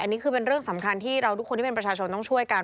อันนี้คือเป็นเรื่องสำคัญที่เราทุกคนที่เป็นประชาชนต้องช่วยกัน